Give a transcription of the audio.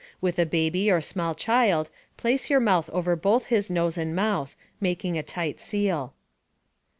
With a baby or small child, place your mouth over both his nose and mouth, making a tight seal.